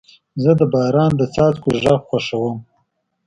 زه د باران د څاڅکو غږ خوښوم.